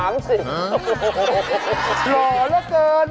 หล่อเหลือเกินดูดีเหลือเกิน